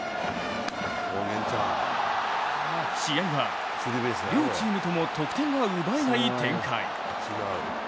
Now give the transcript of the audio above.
試合は、両チームとも得点が奪えない展開。